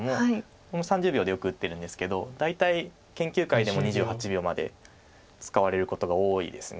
３０秒でよく打ってるんですけど大体研究会でも２８秒まで使われることが多いです。